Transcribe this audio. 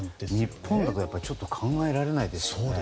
日本だとちょっと考えられないですよね。